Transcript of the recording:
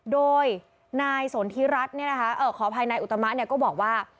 โดยนายสนทิรัฐขออภัยนายอุตมะก็บอกว่า